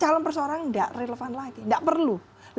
calon perseorangan tidak relevan lagi tidak perlu